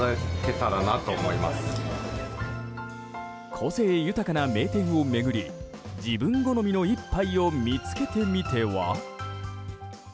個性豊かな名店を巡り自分好みの１杯を見つけてみては？